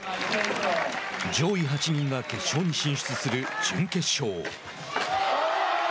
上位８人が決勝に進出する準決勝。